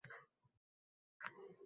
dunyoni ta’minlamayapti?